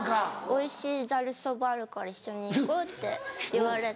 おいしいざるそばあるから一緒に行こうって言われて。